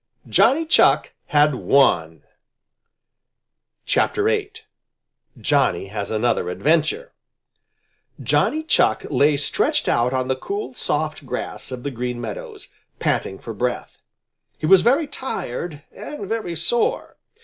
Johnny Chuck had won! VIII. JOHNNY HAS ANOTHER ADVENTURE Johnny Chuck lay stretched out on the cool, soft grass of the Green Meadows, panting for breath. He was very tired and very sore.